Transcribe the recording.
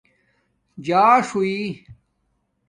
جاݽ ہݸئ